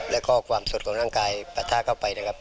แล้วก็ความสดของร่างกายปะทะเข้าไปนะครับ